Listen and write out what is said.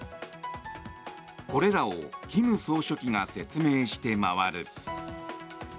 これらを金総書記が説明して回る。